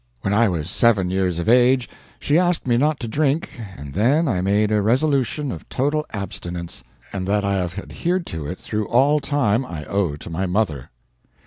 When I was seven years of age she asked me not to drink, and then I made a resolution of total abstinence; and that I have adhered to it through all time I owe to my mother.'